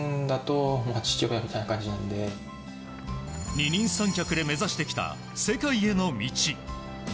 二人三脚で目指してきた世界への道。